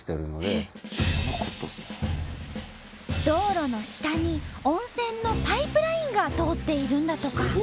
道路の下に温泉のパイプラインが通っているんだとか。